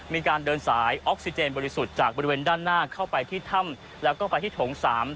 มีการเดินสายออกซิเจนบริสุทธิ์จากบริเวณด้านหน้าเข้าไปที่ถ้ำแล้วก็ไปที่โถง๓